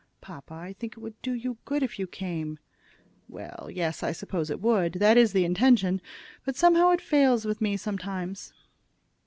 "Papa, I think it would do you good if you came." "Well, yes; I suppose it would. That is the intention; but somehow it fails with me sometimes."